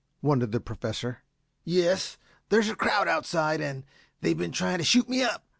wondered the Professor. "Yes; there's a crowd outside, and they've been trying to shoot me up.